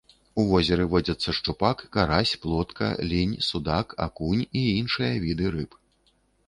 У возеры водзяцца шчупак, карась, плотка, лінь, судак, акунь і іншыя віды рыб.